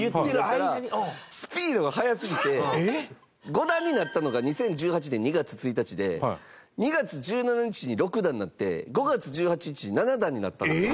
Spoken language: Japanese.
五段になったのが２０１８年２月１日で２月１７日に六段になって５月１８日に七段になったんですよ。